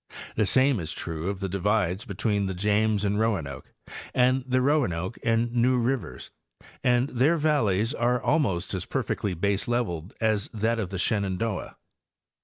The same' is true of the divides between the James and Roanoke and the Roanoke and New rivers, and their valleys are almost as perfectly baseleveled as that of the Shenandoah.